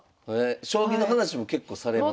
将棋の話も結構されます？